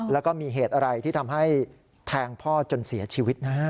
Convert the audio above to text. แล้วก็มีเหตุอะไรที่ทำให้แทงพ่อจนเสียชีวิตนะฮะ